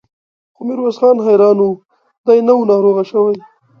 خو ميرويس خان حيران و، دی نه و ناروغه شوی.